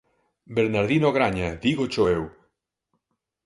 Bernardino Graña, Dígocho eu!